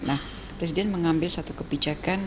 nah presiden mengambil satu kebijakan